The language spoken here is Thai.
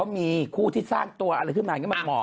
เขามีครูที่สร้างตัวเขาคือปะอะไรอะไรมันเหมาะ